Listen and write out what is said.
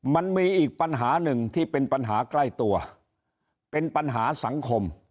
มันมีอีกปัญหาหนึ่งที่เป็นปัญหาใกล้ตัวเป็นปัญหาสังคม